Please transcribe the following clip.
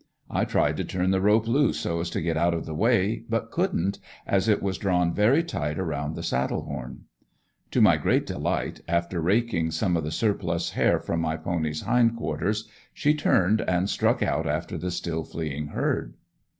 I tried to turn the rope loose so as to get out of the way, but couldn't, as it was drawn very tight around the saddle horn. To my great delight, after raking some of the surplus hair from my pony's hind quarters, she turned and struck out after the still fleeing herd.